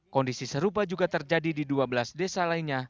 kondisi serupa juga terjadi di dua belas desa lainnya